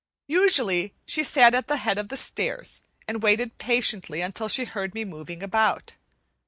Usually she sat at the head of the stairs and waited patiently until she heard me moving about.